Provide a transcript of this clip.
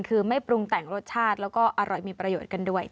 คือไม่ปรุงแต่งรสชาติแล้วก็อร่อยมีประโยชน์กันด้วย